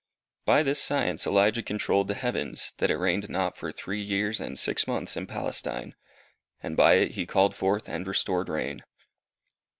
By this science Elijah controlled the heavens, that it rained not for three years and six months in Palestine. And by it he called forth and restored rain.